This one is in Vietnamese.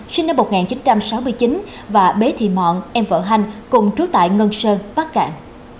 sinh năm một nghìn chín trăm sáu mươi chín và bé thị mọn em vợ hành cùng trú tại ngân sơn bắc cạn